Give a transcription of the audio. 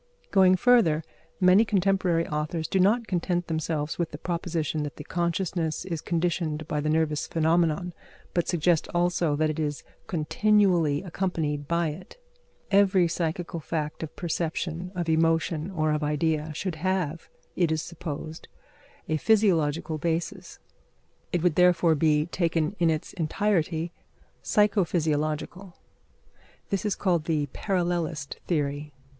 Going further, many contemporary authors do not content themselves with the proposition that the consciousness is conditioned by the nervous phenomenon, but suggest also that it is continually accompanied by it. Every psychical fact of perception, of emotion, or of idea should have, it is supposed, a physiological basis. It would therefore be, taken in its entirety, psycho physiological. This is called the parallelist theory.